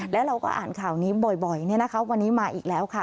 แล้วเราก็อ่านข่าวนี้บ่อยวันนี้มาอีกแล้วค่ะ